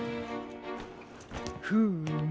フーム。